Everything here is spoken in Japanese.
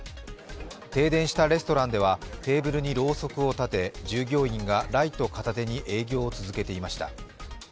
停電したレストランではテーブルにろうそくを立て従業員がライトを片手に営業を続けていました。